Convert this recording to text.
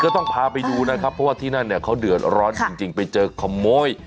ต้องพาไปดูนะครับเพราะว่าที่นั่นเนี่ยเขาเดือดร้อนจริงไปเจอขโมย